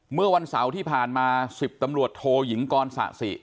เมื่อวันเสาร์ที่ผ่านมา๑๐ตำรวจโทยิงกรสะสิ